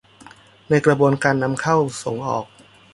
ในกระบวนการนำเข้าส่งออก